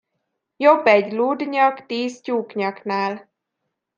Jobb egy lúdnyak tíz tyúknyaknál.